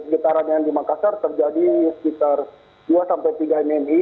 getaran yang di makassar terjadi sekitar dua sampai tiga mmi